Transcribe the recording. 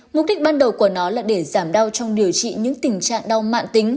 mục đích ban đầu của nó là để giảm đau trong điều trị những tình trạng đau mạn tính